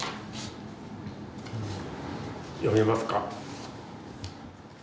読めますか？